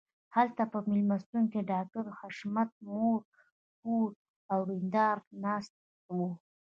هلته په مېلمستون کې د ډاکټر حشمتي مور خور او ورېندار ناست وو